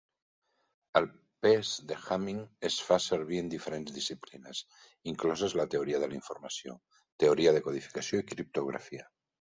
El pes de Hamming es fa servir en diferents disciplines, incloses la teoria de la informació, teoria de codificació i criptografia.